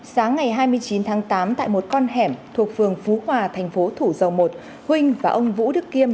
sáng ngày hai mươi chín tháng tám tại một con hẻm thuộc phường phú hòa tp thủ dầu một huynh và ông vũ đức kiêm